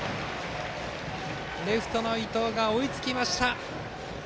レフトの伊藤が追いつきました。